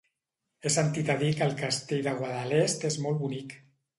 He sentit a dir que el Castell de Guadalest és molt bonic.